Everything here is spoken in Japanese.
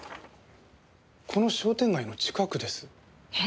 この商店街の近くです。え？